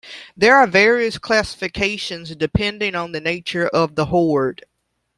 There are various classifications depending on the nature of the hoard.